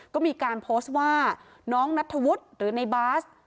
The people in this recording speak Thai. ก็มีการโพสต์ว่าน้องนัทธวุฒิหรือในบาส